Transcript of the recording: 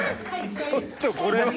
ちょっとこれは。